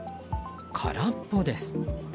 空っぽです。